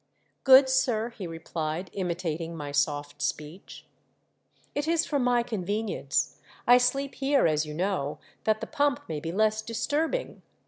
" Good, sir," he replied, imitating my soft speech. "It is for my convenience ; I sleep here as you know, that the pump may be less dis turbing.